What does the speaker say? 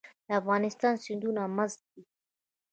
د افغانستان سیندونه مست دي